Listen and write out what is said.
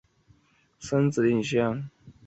买了串烧和鲷鱼烧